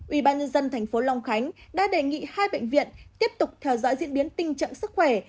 ubnd tp long khánh đã đề nghị hai bệnh viện tiếp tục theo dõi diễn biến tình trạng sức khỏe